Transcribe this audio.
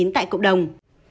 tại cộng đồng